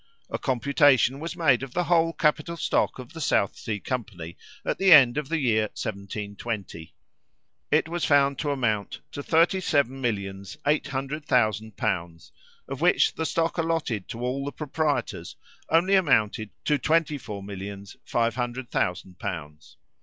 A computation was made of the whole capital stock of the South Sea company at the end of the year 1720. It was found to amount to thirty seven millions eight hundred thousand pounds, of which the stock allotted to all the proprietors only amounted to twenty four millions five hundred thousand pounds.